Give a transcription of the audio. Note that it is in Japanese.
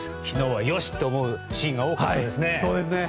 昨日は、よし！って思うシーンが多かったですね。